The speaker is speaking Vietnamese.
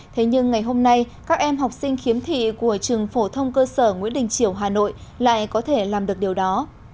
thế nhưng ngày hôm nay các em học sinh khiếm thị của trường phổ thông cơ sở nguyễn đình triều hà nội lại có thể làm được điều đó